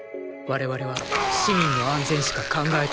我々は市民の安全しか考えていない。